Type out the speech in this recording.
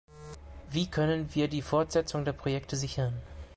Wie können wir die Fortsetzung der Projekte sichern?